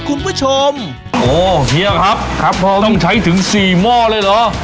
คุณผู้ชมโอ้เฮียครับครับผมต้องใช้ถึงสี่หม้อเลยเหรอ